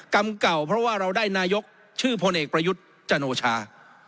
กรรมเก่าเพราะว่าเราได้นายกชื่อพลเอกประยุทธ์จันโอชา